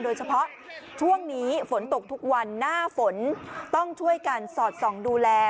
โดยเฉพาะช่วงนี้ฝนตกทุกวันหน้าฝนต้องช่วยกันสอดส่องดูแล